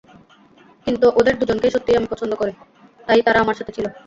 কিন্তু ওদের দুজনকে সত্যিই আমি পছন্দ করি, তাই তারা আমার সাথে ছিল।